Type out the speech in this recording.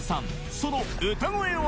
その歌声は